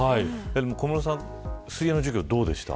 小室さん、水泳の授業どうでした。